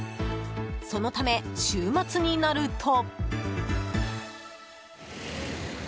そのため週末になると。